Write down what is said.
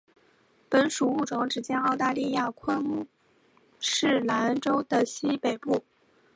本属物种只见于澳大利亚昆士兰州的西北部。